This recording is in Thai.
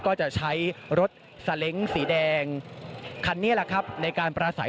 ก็จะใช้รถสาเล้งสีแดงคันนี้แหละครับในการประสัย